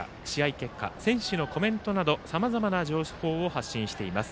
結果選手のコメントなどさまざまな情報を発信しています。